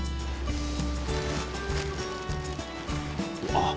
あっ！